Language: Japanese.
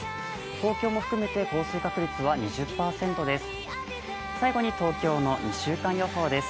東京も含めて降水確率は２０％です。